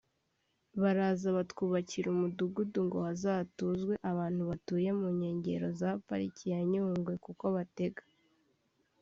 Baraza batwubakira umudugudu ngo hazatuzwe abantu batuye mu nkengero za Pariki ya Nyungwe kuko batega